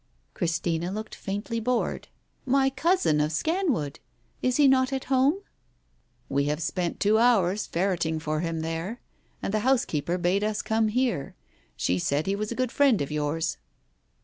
Christina looked faintly bored. " My cousin of Scanwood ! Is he not at home ?" "We have spent two hours ferreting for him there, and the housekeeper bade us come here. She said he was a good friend of yours."